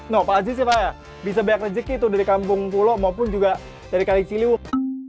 nah pazis sih pak ya bisa banyak rezeki tuh dari kampung pulau maupun juga dari kali ciliwung